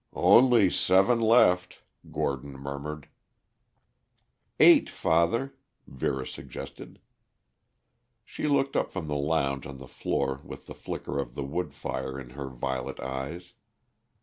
"Only seven left," Gordon murmured. "Eight, father," Vera suggested. She looked up from the lounge on the floor with the flicker of the wood fire in her violet eyes.